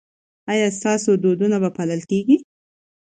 ایا ستاسو دودونه به پالل کیږي؟